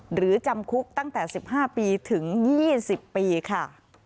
หรือจำคุกตั้งแต่๑๕ปีถึง๒๐ปีค่ะ